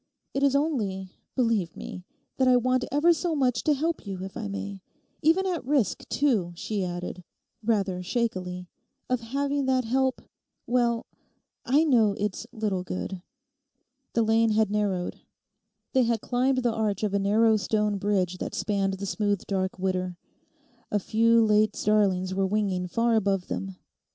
It is only, believe me, that I want ever so much to help you, if I may—even at risk, too,' she added, rather shakily, 'of having that help—well—I know it's little good.' The lane had narrowed. They had climbed the arch of a narrow stone bridge that spanned the smooth dark Widder. A few late starlings were winging far above them.